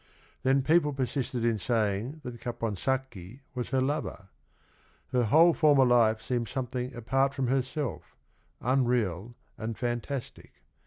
Then people persisted in say ing that Caponsacchi was her lover. Her whole former life seems something apart from herself, unreal and fantastic.